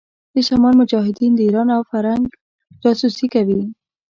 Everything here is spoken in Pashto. د شمال مجاهدين د ايران او فرنګ جاسوسي کوي.